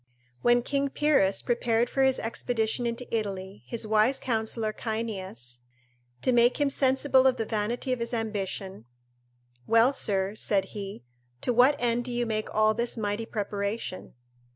When King Pyrrhus prepared for his expedition into Italy, his wise counsellor Cyneas, to make him sensible of the vanity of his ambition: "Well, sir," said he, "to what end do you make all this mighty preparation?"